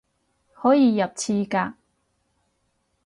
可以入廁格